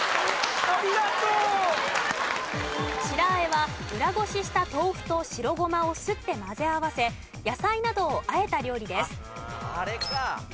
白和えは裏ごしした豆腐と白ごまをすって混ぜ合わせ野菜などを和えた料理です。